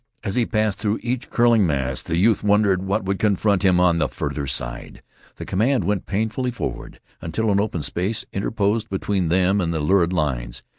As he passed through each curling mass the youth wondered what would confront him on the farther side. The command went painfully forward until an open space interposed between them and the lurid lines.